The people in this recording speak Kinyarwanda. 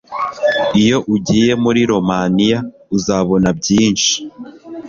Iyo ugiye muri Romania uzabona byinshi